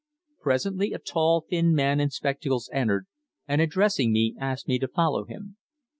Presently a tall thin man in spectacles entered, and addressing me, asked me to follow him.